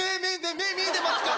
目見えてますか？